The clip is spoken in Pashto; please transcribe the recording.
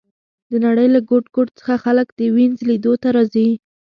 د نړۍ له ګوټ ګوټ څخه خلک د وینز لیدو ته راځي